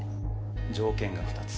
条件が２つ。